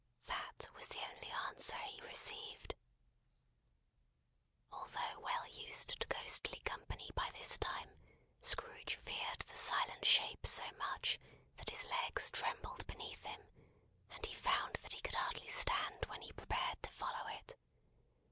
That was the only answer he received. Although well used to ghostly company by this time, Scrooge feared the silent shape so much that his legs trembled beneath him, and he found that he could hardly stand when he prepared to follow it.